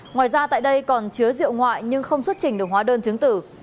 ngoài ra tại đây còn chứa rượu ngoại nhưng không xuất trình được hóa đơn chứng tử